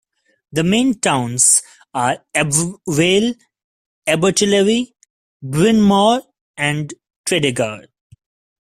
The main towns are Ebbw Vale, Abertillery, Brynmawr and Tredegar.